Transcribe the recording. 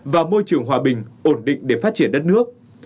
và môi trường hòa bình ổn định để phát triển đất nước